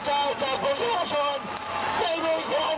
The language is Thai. คุณโกโบรุณิของเดินตองไม่รู้กี่ครั้ง